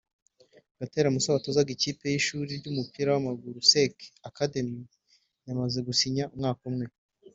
Gatera Mussa watozaga ikipe y’ishuri ry’umupira w’amaguru Sec Academy yamaze gusinya umwaka umwe